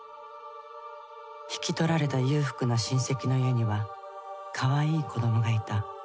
引き取られた裕福な親戚の家にはかわいい子どもがいた。